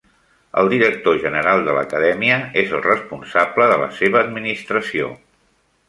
El Director General de la acadèmia és el responsable de la seva administració.